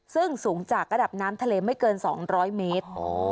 ซึ่งสูงจากระดับน้ำทะเลไม่เกิน๒๐๐เมตร